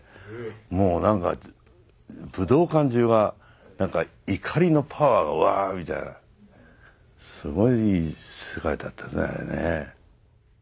もう何か武道館中が怒りのパワーがわみたいなすごい世界だったですねあれね。